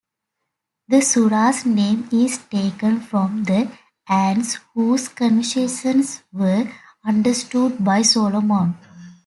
The sura's name is taken from the ants whose conversations were understood by Solomon.